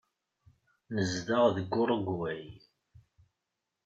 Nezdeɣ deg Urugway.